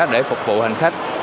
để phục vụ hành khách